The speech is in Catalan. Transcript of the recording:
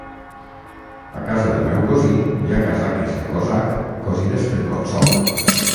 A casa del meu cosí hi ha casaques de cosac cosides per Consol.